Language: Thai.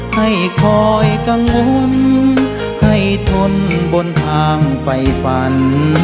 ให้คอยกังวลให้ทนบนทางไฟฝัน